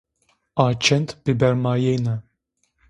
A çend bıbermayêne